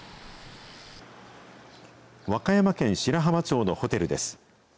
和歌山県白浜町のホテルです。